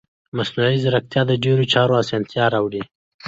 مصنوعي ځیرکتیا د ډیرو چارو اسانتیا راوړي.